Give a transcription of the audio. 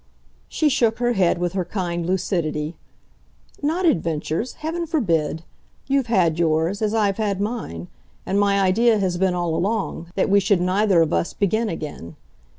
She shook her head with her kind lucidity. "Not adventures heaven forbid! You've had yours as I've had mine; and my idea has been, all along, that we should neither of us begin again.